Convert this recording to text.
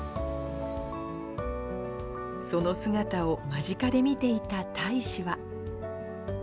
その姿を間近で見ていた大使は。